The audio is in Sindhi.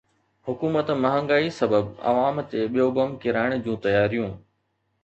حڪومت مهانگائي سبب عوام تي ٻيو بم ڪيرائڻ جون تياريون